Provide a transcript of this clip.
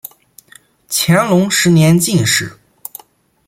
乾隆十年进士。